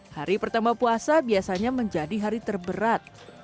hari pertama puasa biasanya menjadi hari terberat